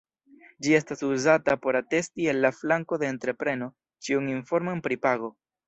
Ĝi estas uzata por atesti el la flanko de entrepreno ĉiun informon pri pago.